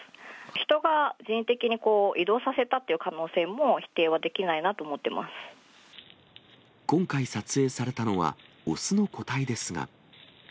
人が人的に移動させたっていう可能性も否定はできないなと思って今回撮影されたのは雄の個体ですが。